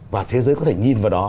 và thế giới có thể nhìn vào đó